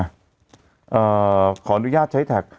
ขออนุญาตใช้แท็ก